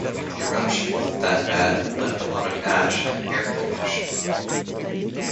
The eruption wasn't that bad, but left a lot of ash and air pollution.